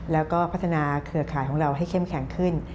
แล้วก็พัฒนาเครือข่ายของเราให้เข้มแข็งขึ้น